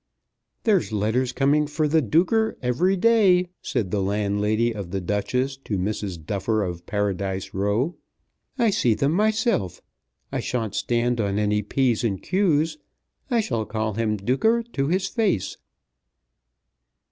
"There's letters coming for the Duker every day," said the landlady of the Duchess to Mrs. Duffer of Paradise Row. "I see them myself. I shan't stand on any p's and q's. I shall call him Duker to his face."